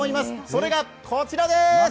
それがこちらでーす！